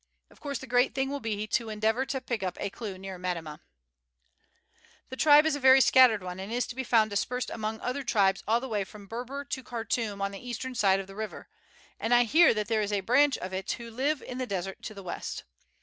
Of course the great thing will be to endeavour to pick up a clue near Metemmeh. "The tribe is a very scattered one, and is to be found dispersed among other tribes all the way from Berber to Khartoum on the eastern side of the river, and I hear that there is a branch of it who live in the desert to the west.